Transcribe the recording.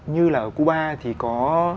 như là ở cuba thì có